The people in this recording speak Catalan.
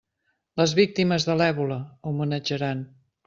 Les víctimes de l'èbola, homenatjaran!